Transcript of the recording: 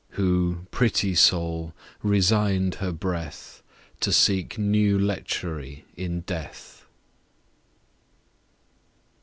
Who, pretty Soul, resign'd her Breath, To seek new Letchery in Death.